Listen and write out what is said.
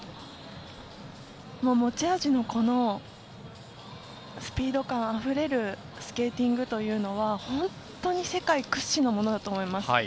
持ち味のスピード感あふれるスケーティングというのは本当に世界屈指のものだと思います。